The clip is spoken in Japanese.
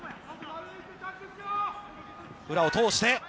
裏を通して。